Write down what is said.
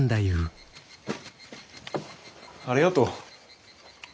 ありがとう。